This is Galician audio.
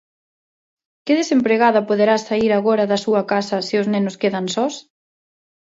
Que desempregada poderá saír agora da súa casa se os nenos quedan sós?